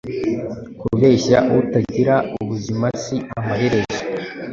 Kubeshya utagira ubuzimasi amaherezo